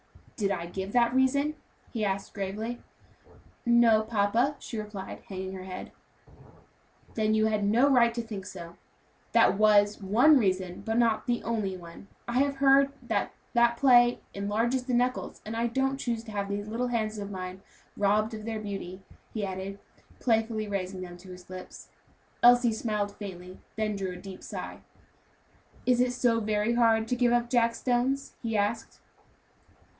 "Did I give that reason?" he asked gravely. "No, papa," she replied, hanging her head. "Then you had no right to think so. That was one reason, but not the only one. I have heard it said that that play enlarges the knuckles, and I don't choose to have these little hands of mine robbed of their beauty," he added, playfully raising them to his lips. Elsie smiled faintly, then drew a deep sigh. "Is it so very hard to give up jack stones?" he asked.